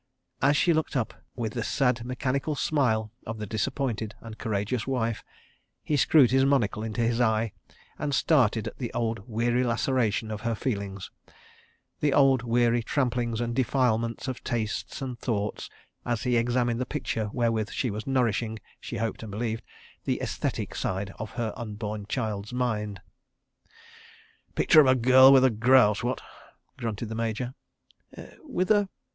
As she looked up with the sad mechanical smile of the disappointed and courageous wife, he screwed his monocle into his eye and started the old weary laceration of her feelings, the old weary tramplings and defilements of tastes and thoughts, as he examined the picture wherewith she was nourishing (she hoped and believed) the æsthetic side of her unborn child's mind. "Picture of a Girl with Grouse, what?" grunted the Major. "With a